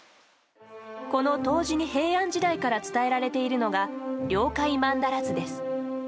この東寺に平安時代から伝えられているのが両界曼荼羅図です。